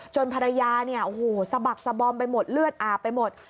ภรรยาเนี่ยโอ้โหสะบักสะบอมไปหมดเลือดอาบไปหมด